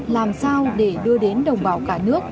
làm sao để đưa đến đồng bào cả nước